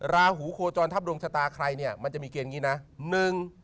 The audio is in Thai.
ราหูโคจรทัพดวงชะตาใครเนี่ยมันจะมีเกณฑ์อย่างนี้นะ